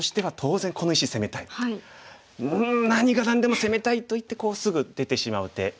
うん何が何でも攻めたいといってすぐ出てしまう手。